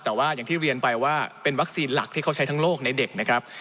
แต่ว่าอย่างที่เรียนไปว่าเป็นวัคซีนหลักที่เขาใช้ทั้งโลกในเด็กนะครับ